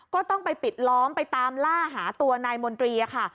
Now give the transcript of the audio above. ก็ต้องไปปิดล้อมไปตามล่าหาตัวนายมนตรีค่ะ